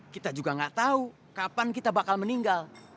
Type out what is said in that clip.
kita juga nggak tahu kapan kita bakal meninggal